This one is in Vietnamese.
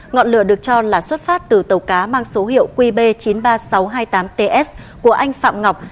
ngọn lửa được cho là xuất phát từ tàu cá mang số hiệu qb chín mươi ba nghìn sáu trăm hai mươi tám ts của anh phạm ngọc